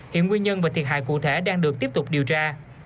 hiện nguyên nhân và thiệt hại cụ thể đang được tiếp tục điều tra